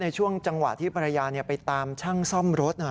ช่วงจังหวะที่ภรรยาไปตามช่างซ่อมรถ